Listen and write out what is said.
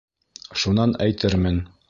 Шунан әйтермен.